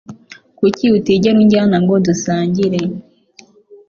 Kuki utigera unjyana ngo dusangire?